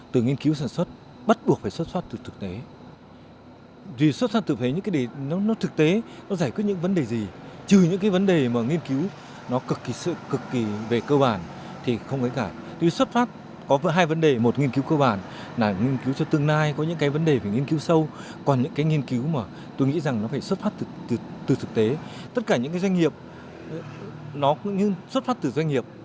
tôi nghĩ rằng nó phải xuất phát từ thực tế tất cả những doanh nghiệp nó cũng như xuất phát từ doanh nghiệp